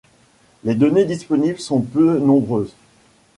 Les données disponibles sont peu nombreuses.